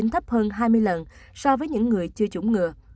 thấp hơn hai mươi lần so với những người chưa chủng ngừa